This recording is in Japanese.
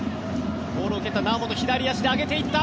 ボールを蹴った猶本左足で上げていった。